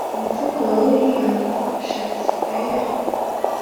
umuvugo wa william shakespeare